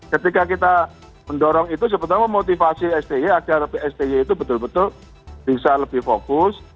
ketika kita mendorong itu sebetulnya motivasi sti agar sti itu betul betul bisa lebih fokus